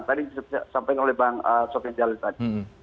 tadi disampaikan oleh bang sofian jalil tadi